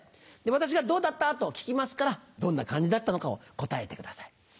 私が「どうだった？」と聞きますからどんな感じだったのかを答えてください。